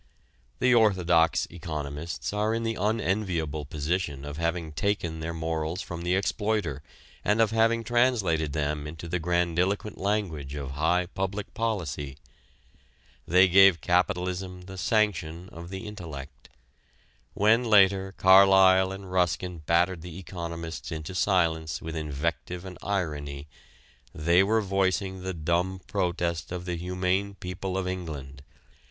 The orthodox economists are in the unenviable position of having taken their morals from the exploiter and of having translated them into the grandiloquent language of high public policy. They gave capitalism the sanction of the intellect. When later, Carlyle and Ruskin battered the economists into silence with invective and irony they were voicing the dumb protest of the humane people of England.